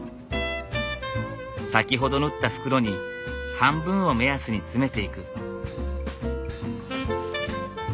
先ほど縫った袋に半分を目安に詰めていく。